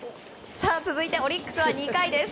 続いてオリックスは２回。